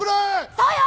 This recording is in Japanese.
そうよ！